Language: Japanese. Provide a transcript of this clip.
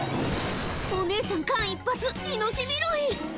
お姉さん間一髪命拾い